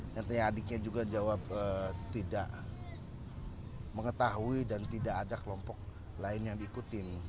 nyatanya adiknya juga jawab tidak mengetahui dan tidak ada kelompok lain yang diikutin